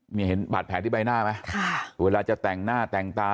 เนี่ยเห็นบาดแผลที่ใบหน้าไหมค่ะเวลาจะแต่งหน้าแต่งตา